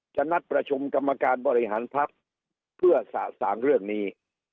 นัดประชุมกรรมการบริหารพักเพื่อสะสางเรื่องนี้